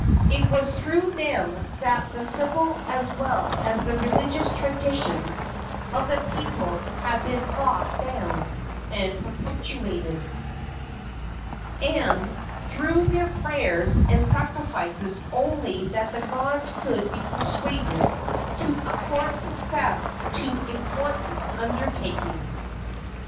It was through them that the civil as well as the religious traditions of the people had been brought down and perpetuated, and through their prayers and sacrifices only that the gods could be persuaded to accord success to important undertakings.